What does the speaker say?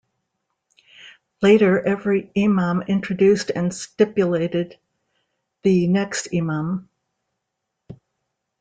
Later every Imam introduced and stipulated the next Imam.